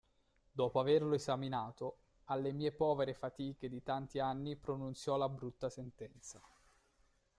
Dopo averlo esaminato, alle mie povere fatiche di tanti anni pronunziò la brutta sentenza.